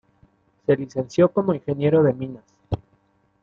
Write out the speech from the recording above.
Se licenció como ingeniero de minas.